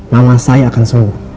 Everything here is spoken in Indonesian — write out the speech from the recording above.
mama saya akan sembuh